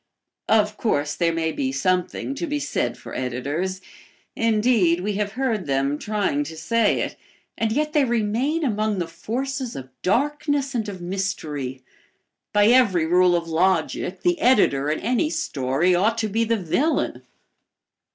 Of course, there may be something to be said for editors. Indeed, we have heard them trying to say it, and yet they remain among the forces of darkness and of mystery. By every rule of logic the editor in any story ought to be the villain.